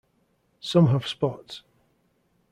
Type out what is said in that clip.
Some have spots.